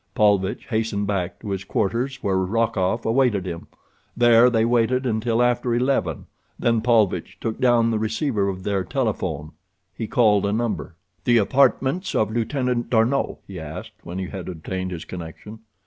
Paulvitch hastened back to his quarters, where Rokoff awaited him. There they waited until after eleven, then Paulvitch took down the receiver of their telephone. He called a number. "The apartments of Lieutenant D'Arnot?" he asked, when he had obtained his connection.